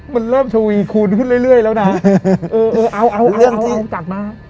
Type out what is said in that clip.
มันเริ่มช่วยคูณขึ้นเรื่อยแล้วนะเอาเอาจากมา